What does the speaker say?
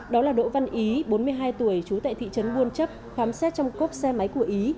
đó là đỗ văn ý bốn mươi hai tuổi trú tại thị trấn buôn chấp khám xét trong cốp xe máy của ý